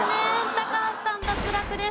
高橋さん脱落です。